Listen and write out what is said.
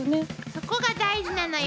そこが大事なのよ。